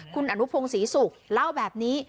คุณอนุพงศรีศุกร์เล่าแบบนี้